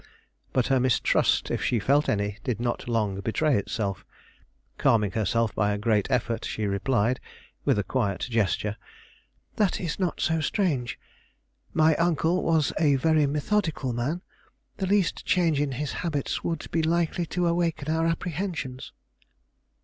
But her mistrust, if she felt any, did not long betray itself. Calming herself by a great effort, she replied, with a quiet gesture "That is not so strange. My uncle was a very methodical man; the least change in his habits would be likely to awaken our apprehensions."